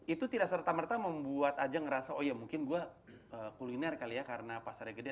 itu tidak serta merta membuat ajang ngerasa oh ya mungkin gue kuliner kali ya karena pasarnya gede